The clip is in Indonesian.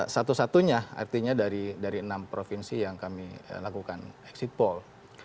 satu satunya artinya dari enam provinsi yang kami lakukan exit poll